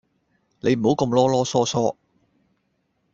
你唔好咁囉囉嗦嗦